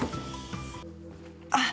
あっ！